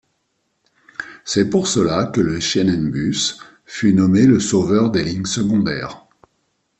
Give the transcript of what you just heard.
C’est pour cela que le Schienenbus fut nommé le sauveur des lignes secondaires.